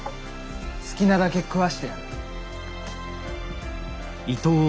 好きなだけ食わしてやる。